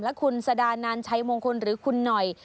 และคุณสดานานชัยมงคลหรือคุณหน่อย